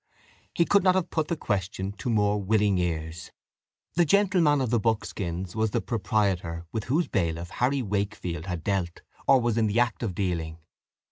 He could not have put the question to more willing ears. The gentleman of the buckskins was the proprietor with whose bailiff Harry Wakefield had dealt, or was in the act of dealing.